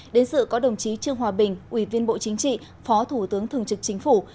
đến sự có đồng chí trương hòa bình ủy viên bộ chính trị phó thủ tướng thường trực chính phủ